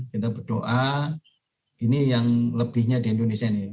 kita berdoa ini yang lebihnya di indonesia ini